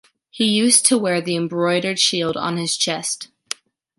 He used to wear the embroidered shield on his chest.